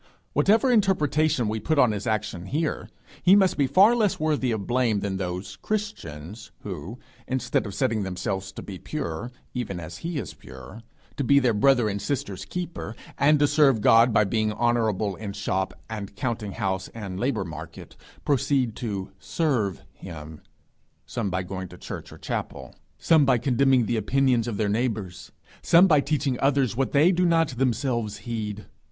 Whatever interpretation we put on his action here, he must be far less worthy of blame than those 'Christians' who, instead of setting themselves to be pure 'even as he is pure,' to be their brother and sister's keeper, and to serve God by being honourable in shop and counting house and labour market, proceed to 'serve' him, some by going to church or chapel, some by condemning the opinions of their neighbours, some by teaching others what they do not themselves heed.